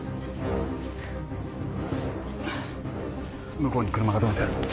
向こうに車が止めてある。